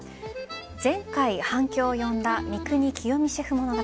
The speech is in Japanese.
前回、反響を呼んだ三國清三シェフ物語。